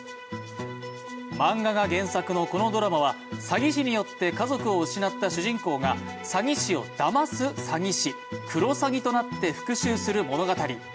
漫画が原作のこのドラマは詐欺師によって家族を失った主人公が詐欺師をだます詐欺師＝クロサギとなって復しゅうする物語。